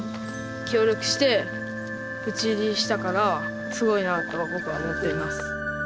協力して討ち入りしたからすごいなと僕は思っています。